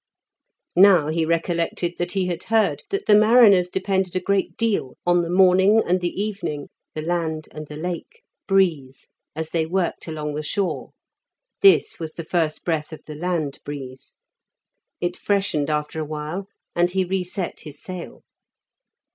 Now he recollected that he had heard that the mariners depended a great deal on the morning and the evening the land and the Lake breeze as they worked along the shore. This was the first breath of the Land breeze. It freshened after a while, and he re set his sail.